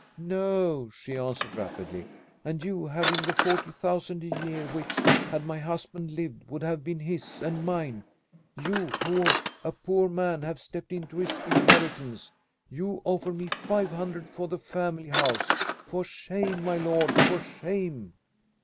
"No," she answered rapidly. "And you, having the forty thousand a year which, had my husband lived, would have been his and mine; you who, a poor man, have stepped into this inheritance you offer me five hundred for the family house! For shame, my lord! for shame!"